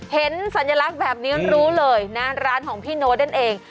สัญลักษณ์แบบนี้รู้เลยนะร้านของพี่โน๊ตนั่นเอง